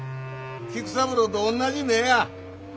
菊三郎とおんなじ目ぇや！